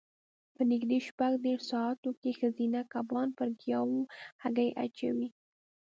په نږدې شپږ دېرش ساعتو کې ښځینه کبان پر ګیاوو هګۍ اچوي.